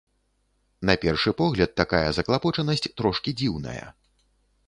На першы погляд, такая заклапочанасць трошкі дзіўная.